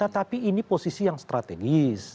tapi ini posisi yang strategis